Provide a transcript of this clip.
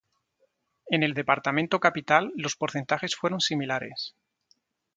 En el departamento capital los porcentajes fueron similares.